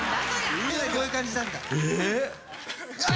家でこういう感じなんだ。